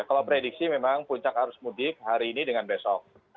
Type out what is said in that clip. kalau prediksi memang puncak arus mudik hari ini dengan besok